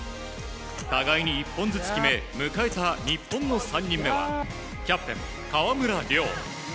互いに１本ずつ決め迎えた日本の３人目はキャプテン、河村怜。